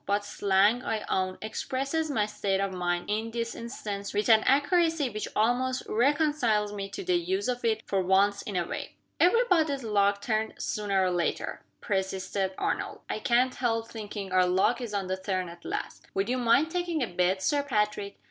But slang, I own, expresses my state of mind, in this instance, with an accuracy which almost reconciles me to the use of it for once in a way." "Every body's luck turns sooner or later," persisted Arnold. "I can't help thinking our luck is on the turn at last. Would you mind taking a bet, Sir Patrick?"